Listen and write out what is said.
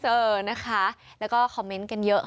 เออนะคะแล้วก็คอมเมนต์กันเยอะ